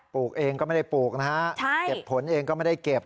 ลูกเองก็ไม่ได้ปลูกนะฮะเก็บผลเองก็ไม่ได้เก็บ